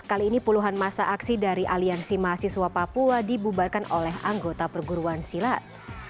kali ini puluhan masa aksi dari aliansi mahasiswa papua dibubarkan oleh anggota perguruan silat